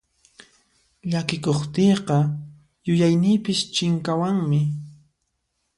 Llakikuqtiyqa yuyayniypis chinkawanmi.